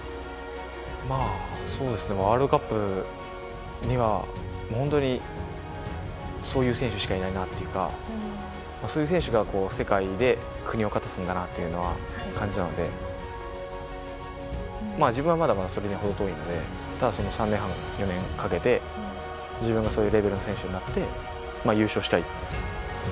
まあ、そうですね、ワールドカップには本当にそういう選手しかいないなっていうか、そういう選手が世界で国を勝たすんだなというのは感じたので、自分はまだまだそれに程遠いので、ただ、その３年半、４年かけて、自分がそういうレベルの選手になって優勝したい。